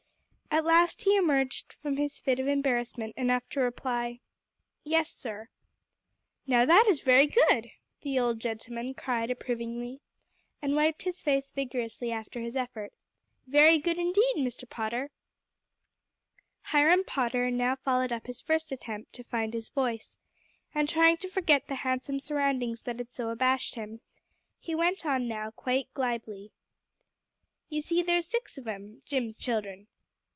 At last he emerged from his fit of embarrassment enough to reply, "Yes, sir." "Now that is very good," the old gentleman cried approvingly, and wiped his face vigorously after his effort, "very good indeed, Mr. Potter." Hiram Potter now followed up his first attempt to find his voice; and trying to forget the handsome surroundings that had so abashed him, he went on now quite glibly. "You see, sir, there's six of 'em Jim's children."